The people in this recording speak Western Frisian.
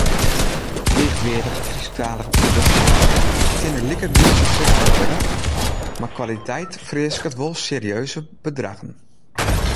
Heechweardige Frysktalige produksjes kinne likegoed suksesfol wurde, mar kwaliteit fereasket wol serieuze bedraggen.